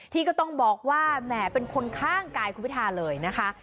ที่ก็ต้องบอกว่าแหมเป็นคนข้างกายคุณพิทาเลยนะคะ